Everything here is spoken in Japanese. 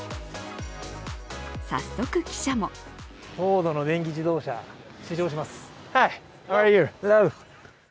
早速、記者もフォードの電気自動車試乗します。